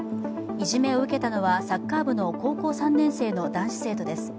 いじめを受けたのはサッカー部の高校３年生の男子生徒です。